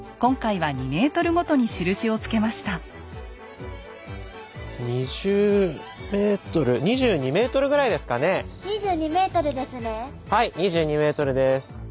はい２２ｍです。